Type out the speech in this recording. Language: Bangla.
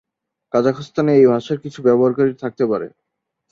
কাজাখস্তানে এই ভাষার কিছু ব্যবহারকারী থাকতে পারে।